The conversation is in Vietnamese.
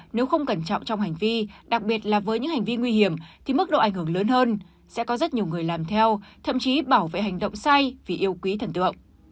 nếu người nổi tiếng có tầm ảnh hưởng thì mức độ ảnh hưởng lớn hơn sẽ có rất nhiều người làm theo thậm chí bảo vệ hành động sai vì yêu quý thần tượng